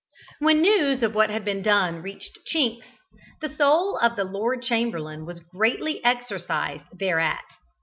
When news of what had been done reached Chinks, the soul of the Lord Chamberlain was greatly exercised thereat.